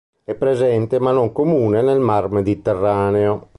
È presente ma non comune nel mar Mediterraneo.